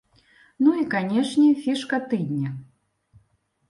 Ну і, канешне, фішка тыдня.